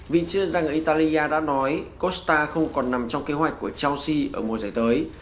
vì chưa rằng người italia đã nói costa không còn nằm trong kế hoạch của chelsea ở mùa giải tới